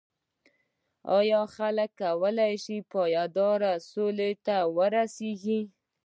ایا خلک کولای شي پایداره سولې ته ورسیږي؟